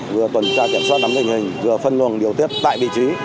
vừa tuần tra kiểm soát đám lệnh hình vừa phân luồng điều tiết tại vị trí